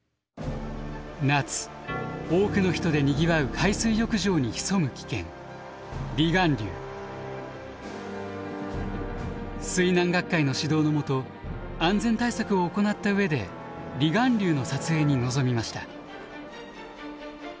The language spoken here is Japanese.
夏多くの人でにぎわう水難学会の指導のもと安全対策を行った上で離岸流の撮影に臨みました。